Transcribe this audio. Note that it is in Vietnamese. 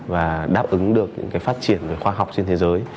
và đáp ứng được phát triển khoa học trên thế giới